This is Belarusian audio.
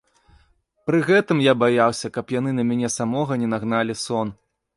Пры гэтым я баяўся, каб яны на мяне самога не нагналі сон.